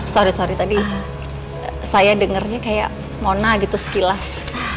sorry sorry tadi saya dengarnya kayak mona gitu sekilas